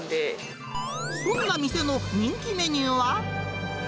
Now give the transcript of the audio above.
そんな店の人気メニューは。